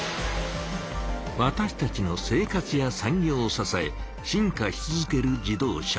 わたしたちの生活や産業をささえ進化し続ける自動車。